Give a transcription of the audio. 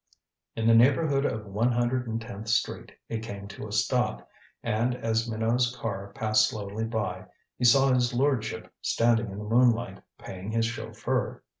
In the neighborhood of One Hundred and Tenth Street it came to a stop, and as Minot's car passed slowly by, he saw his lordship standing in the moonlight paying his chauffeur.